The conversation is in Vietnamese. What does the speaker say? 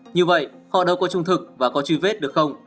như vậy họ đâu có trung thực và có truy vết được không